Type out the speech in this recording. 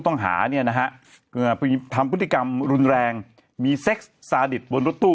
ต้องหาเนี่ยนะฮะทำพฤติกรรมรุนแรงมีเซ็กซ์ซาดิตบนรถตู้